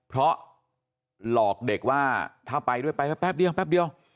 เพราะหลอกเด็กว่าถ้าไปด้วยไปแป๊บเดียว